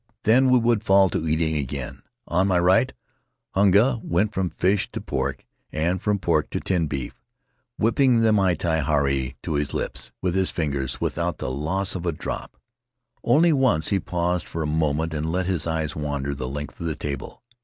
Then we would fall to eating again. On my right, Hunga went from fish to pork and from pork to tinned beef, whipping the miti haari to his lips with his fingers without the loss of a drop. Only once he paused for a moment and let his eyes wander the length of the table.